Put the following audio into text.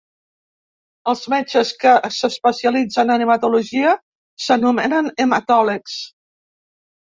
Els metges que s'especialitzen en hematologia s'anomenen hematòlegs.